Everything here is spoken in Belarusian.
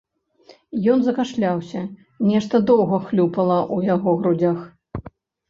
Ён закашляўся, нешта доўга хлюпала ў яго грудзях.